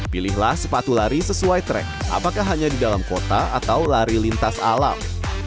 pilihlah sepatu lari sesuai track apakah hanya di dalam kota atau lari lintas alam